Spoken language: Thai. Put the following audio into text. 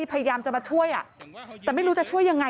พยายามจะมาช่วยแต่ไม่รู้จะช่วยยังไง